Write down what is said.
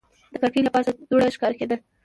د کړکۍ له پاسه دوړه ښکاره کېده.